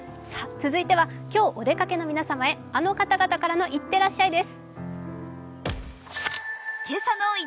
続いては今日お出かけの皆様へあの方々からの「いってらっしゃい」です。